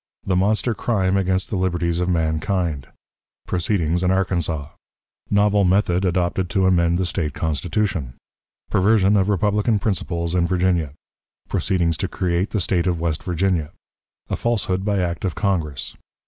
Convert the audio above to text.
The Monster Crime against the Liberties of Mankind. Proceedings in Arkansas. Novel Method adopted to amend the State Constitution. Perversion of Republican Principles in Virginia. Proceedings to create the State of West Virginia. A Falsehood by Act of Congress.